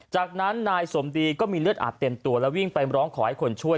จากนั้นนายสมดีก็มีเลือดอาบเต็มตัวแล้ววิ่งไปร้องขอให้คนช่วย